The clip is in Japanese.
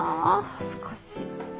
恥ずかしい。